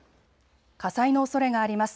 火災のおそれがあります。